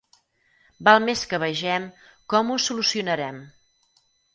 Val més que vegem com ho solucionarem.